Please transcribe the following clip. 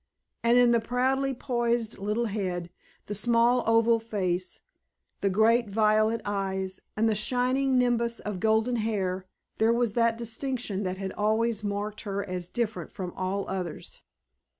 And in the proudly poised little head, the small oval face, the great violet eyes and the shining nimbus of golden hair there was that distinction that had always marked her as different from all others.